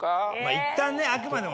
いったんねあくまでも。